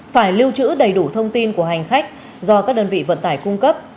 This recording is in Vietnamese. phải lưu trữ đầy đủ thông tin của hành khách do các đơn vị vận tải cung cấp